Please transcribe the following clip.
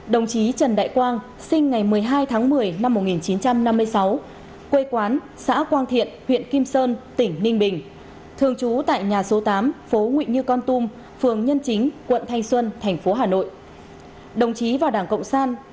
đồng chí trần đại quang sinh ngày một mươi hai tháng một mươi năm một nghìn chín trăm năm mươi sáu quê quán xã quang thiện huyện kim sơn tỉnh ninh bình thường trú tại nhà số tám phố nguyễn như con tum phường nhân chính quận thanh xuân thành phố hà nội và đảng cộng sản